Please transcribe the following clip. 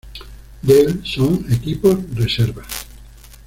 Deild son equipos reservas.